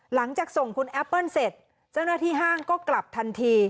หลังจากส่งคุณแอปเปิ้ลเสร็จเจ้าหน้าที่ห้างก็กลับทันที